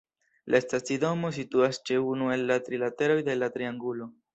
La stacidomo situas ĉe unu el la tri lateroj de la triangulo.